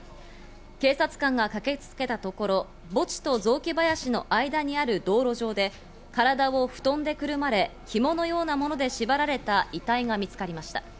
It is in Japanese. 警察官が駆けつけたところ、墓地と雑木林の間にある道路上で体を布団でくるまれ、ひものようなもので縛られた遺体が見つかりました。